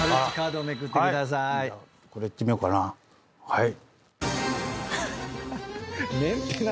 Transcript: はい。